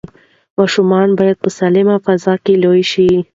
ماشومان باید په سالمه فضا کې لوی شي.